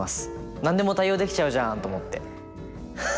何でも対応できちゃうじゃんと思って。